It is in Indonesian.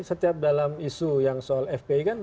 setiap dalam isu yang soal fpi kan